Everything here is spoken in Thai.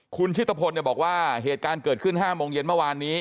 คุณชิตภพลบอกว่าเหตุการณ์เกิดขึ้น๕โมงเย็นเมื่อวานนี้